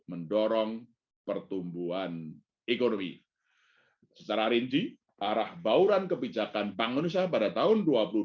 mendorong pertumbuhan ekonomi secara rinci arah bauran kebijakan bank indonesia pada tahun dua ribu dua puluh